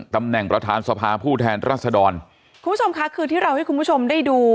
ตำแหน่งประธานสภาผู้แทนรัศดรคุณผู้ชมค่ะคือที่เราให้คุณผู้ชมได้ดู